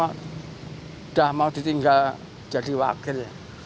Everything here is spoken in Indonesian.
sudah mau ditinggal jadi wakil